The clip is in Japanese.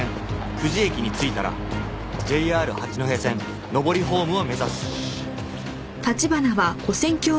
久慈駅に着いたら ＪＲ 八戸線上りホームを目指す